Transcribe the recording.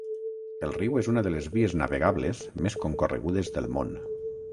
El riu és una de les vies navegables més concorregudes del món.